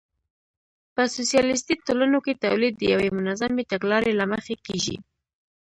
په سوسیالیستي ټولنو کې تولید د یوې منظمې تګلارې له مخې کېږي